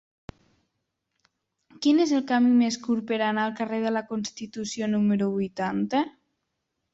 Quin és el camí més curt per anar al carrer de la Constitució número vuitanta?